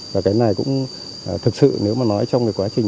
và cái này cũng thực sự nếu mà nói trong cái quá trình